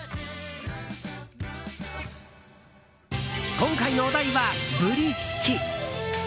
今回のお題はブリすき。